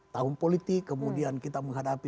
tahun politik kemudian kita menghadapi